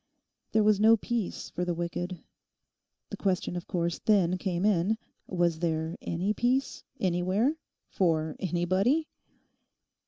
There was no peace for the wicked. The question of course then came in—Was there any peace anywhere, for anybody?